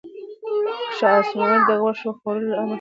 شاه اسماعیل د غوښو خوړلو امر په مستۍ کې ورکړ.